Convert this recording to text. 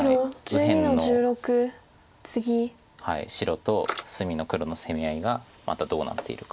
右辺の白と隅の黒の攻め合いがまたどうなっているか。